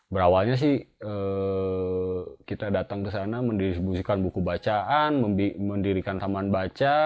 berawalnya sih kita datang ke sana mendistribusikan buku bacaan mendirikan taman baca